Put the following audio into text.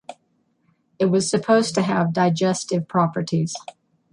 It was supposed to have digestive properties.